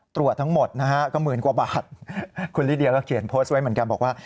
ตรวจทั้งหมดนะฮะก็หมื่นกว่าบาทคุณลิเดียก็เขียนโพสต์ไว้เหมือนกันบอกว่า